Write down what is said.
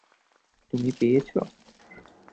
তুমি পেয়েছো?